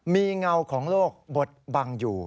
มีเงาของโลกบดบังอยู่